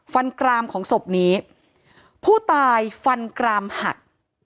กรามของศพนี้ผู้ตายฟันกรามหัก